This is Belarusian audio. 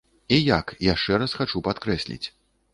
І як, яшчэ раз хачу падкрэсліць.